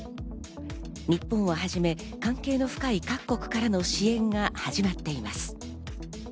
日本をはじめ、関係の深い各国からの支援が始まっています。